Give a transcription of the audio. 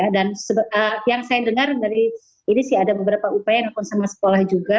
dan yang saya dengar dari ini sih ada beberapa upaya yang akan sama sekolah juga